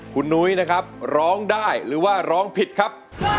คุณนุ้ยนะครับร้องได้หรือว่าร้องผิดครับ